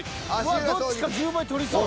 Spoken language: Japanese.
わっどっちか１０倍取りそう。